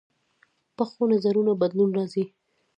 پخو نظرونو بدلون راځي